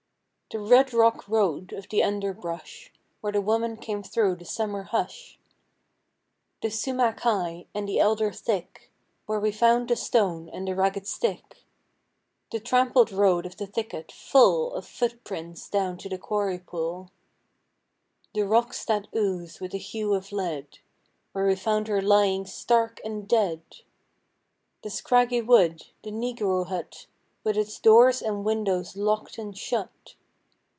The red rock road of the underbrush, Where the woman came through the summer hush. The sumach high, and the elder thick, Where we found the stone and the ragged stick. The trampled road of the thicket, full Of foot prints down to the quarry pool. The rocks that ooze with the hue of lead, Where we found her lying stark and dead. The scraggy wood; the negro hut, With its doors and windows locked and shut.